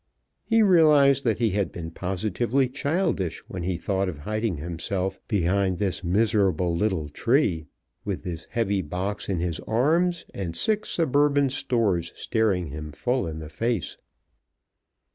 He realized that he had been positively childish when he thought of hiding himself behind this miserable little tree, with this heavy box in his arms and six suburban stores staring him full in the face.